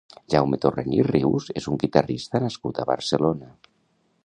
Jaume Torrent i Rius és un guitarrista nascut a Barcelona.